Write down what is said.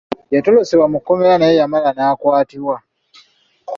Yatolosebwa mu kkomera naye yamala n'akwatibwa.